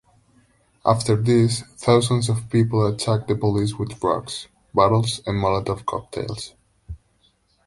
After this, thousands of people attacked the police with rocks, bottles and Molotov cocktails.